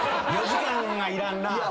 ４時間はいらんな。